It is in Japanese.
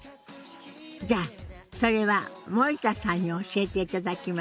じゃあそれは森田さんに教えていただきましょうね。